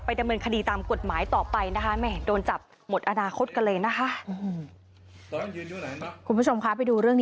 ดำเนินคดีตามกฎหมายต่อไปนะคะโดนจับหมดอนาคตกันเลยนะคะ